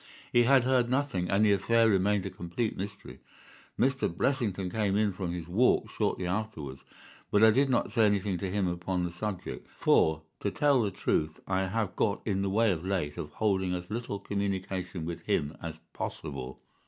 He had heard nothing, and the affair remained a complete mystery. Mr. Blessington came in from his walk shortly afterwards, but I did not say anything to him upon the subject, for, to tell the truth, I have got in the way of late of holding as little communication with him as possible.